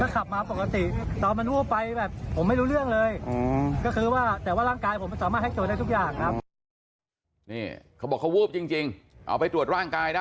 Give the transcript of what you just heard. นี่เขาบอกเขาวูบจริงเอาไปตรวจร่างกายนะ